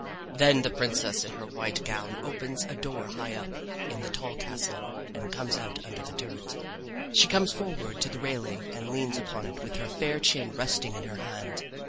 Then the princess in her white gown opens a door high up in the tall castle and comes out under the turret. She comes forward to the railing and leans upon it with her fair chin resting in her hand.